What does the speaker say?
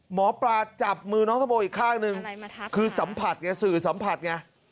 หมอปลาจับมือน้องส้มโออีกข้างนึงคือสื่อสัมผัสไง